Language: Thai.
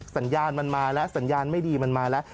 สัญญาณมันมาแล้วสัญญาณไม่ดีมันมาแล้ว